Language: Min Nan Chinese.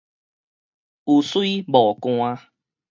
有繐無捾